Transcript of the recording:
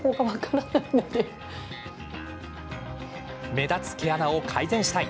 目立つ毛穴を改善したい。